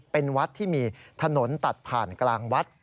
เป็นวัดที่มีถนนตัดผ่านกลางวัด